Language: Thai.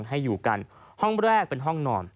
ให้อยู่กันห้องแรกเป็นห้องนอน